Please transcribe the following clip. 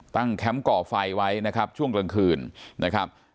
แคมป์ก่อไฟไว้นะครับช่วงกลางคืนนะครับ